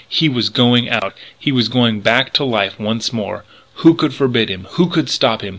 He was going out! He was going back to life once more. Who could forbid him? Who stop him?